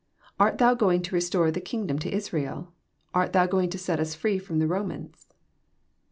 —*< Art Thou going to restore the kingdom to Israel? Art Thou going to set us free Arom the Romans